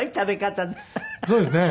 そうですね。